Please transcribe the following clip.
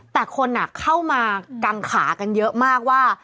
แต่คนเข้ามากังขากันเยอะมากว่า